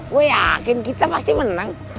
gue yakin kita pasti menang